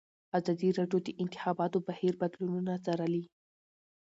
ازادي راډیو د د انتخاباتو بهیر بدلونونه څارلي.